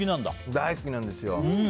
大好きなんですよ。